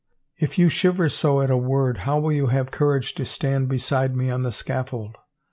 If you shiver so at a word how will you have courage to stand beside me on the scaffold?